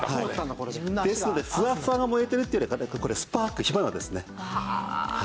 ですのでフワフワが燃えているというよりこれスパーク火花ですね。